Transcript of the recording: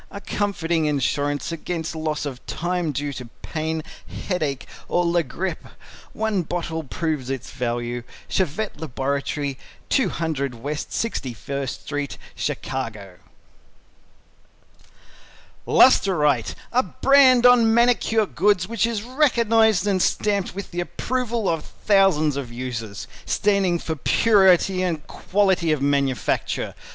A comforting insurance against loss of time due to pain, headache or la grippe. One bottle proves its value. CHAVETT LABORATORY, 200 W. 61st Street, Chicago [Illustration: Image of package.] "LUSTR ITE" A brand on Manicure Goods which is recognized and stamped with the approval of its thousands of users. Standing for purity and quality of manufacture.